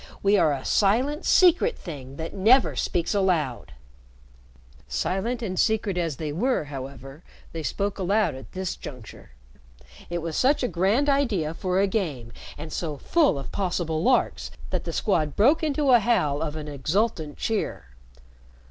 We are a silent, secret thing that never speaks aloud!" Silent and secret as they were, however, they spoke aloud at this juncture. It was such a grand idea for a game, and so full of possible larks, that the Squad broke into a howl of an exultant cheer.